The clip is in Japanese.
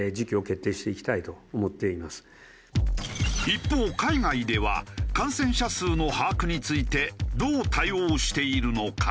一方海外では感染者数の把握についてどう対応しているのか？